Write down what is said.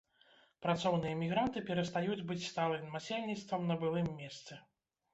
Працоўныя мігранты перастаюць быць сталым насельніцтвам на былым месцы.